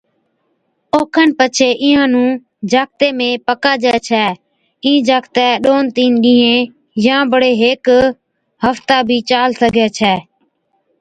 او کن پڇي اِينهان نُون جاکتي ۾ پڪاجَي ڇَي، اِين جاکتَي ڏون تِين ڏِينهين يان بڙي هيڪ ففتا بِي چال سِگھَي ڇَي۔